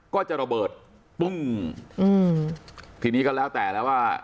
ก็จะระเบิดปึ้งอืมทีนี้ก็แล้วแต่แล้วว่า